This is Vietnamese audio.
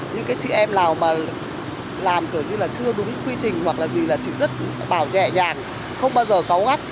những cái chị em nào mà làm kiểu như là chưa đúng quy trình hoặc là gì là chị rất bảo nhẹ nhàng không bao giờ cáo ngắt